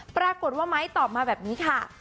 ปรากฏว่าไม้ตอบมาแบบนี้ค่ะ